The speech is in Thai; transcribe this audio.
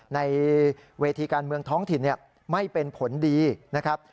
ในเวทีการเมืองท้องถิ่นไม่เป็นผลดีนะครับ